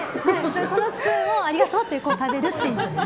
そのスプーンをありがとうって食べるっていう。